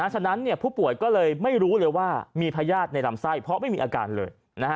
ฉะนั้นผู้ป่วยก็เลยไม่รู้เลยว่ามีพญาติในลำไส้เพราะไม่มีอาการเลย